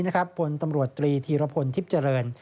ผลตำรวจตรีธีรพลทิพย์เจริญ